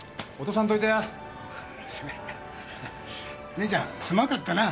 姉ちゃんすまんかったな。